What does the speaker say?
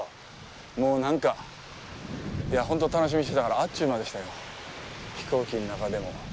もう、なんか本当に楽しみにしてたからあっちゅう間でしたよ、飛行機の中でも。